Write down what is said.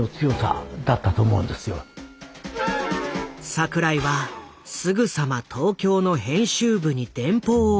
櫻井はすぐさま東京の編集部に電報を打った。